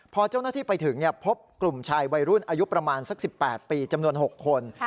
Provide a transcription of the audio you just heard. พอเจ้าหน้าที่ไปถึงพบกลุ่มชายวัยรุ่นอายุประมาณสัก๑๘ปีจำนวน๖คน